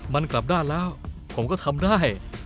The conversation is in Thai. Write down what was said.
มันกลับด้านแล้วผมก็ทำได้